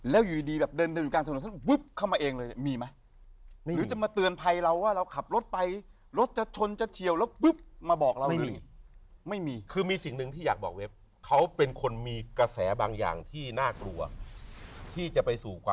แล้วอยู่ดีเดินอยู่กลางถนน